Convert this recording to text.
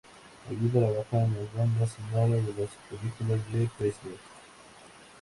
Allí trabajó en las bandas sonoras de las películas de Presley.